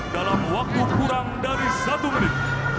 dalam waktu kurang dari satu menit